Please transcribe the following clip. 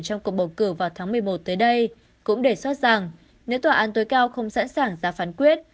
trong cuộc bầu cử vào tháng một mươi một tới đây cũng đề xuất rằng nếu tòa án tối cao không sẵn sàng ra phán quyết